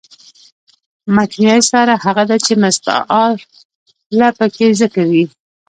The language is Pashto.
مکنیه استعاره هغه ده، چي مستعارله پکښي ذکر يي.